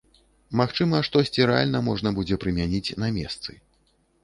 Магчыма, штосьці рэальна можна будзе прымяніць на месцы.